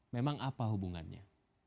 memang apa hubungannya